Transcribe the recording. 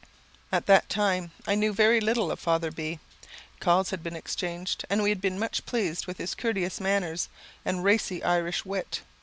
At that time I knew very little of Father B . Calls had been exchanged, and we had been much pleased with his courteous manners and racy Irish wit.